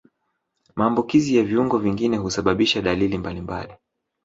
Maambukizi ya viungo vingine husababisha dalili mbalimbali